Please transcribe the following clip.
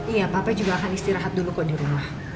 iya papa juga akan istirahat dulu kok di rumah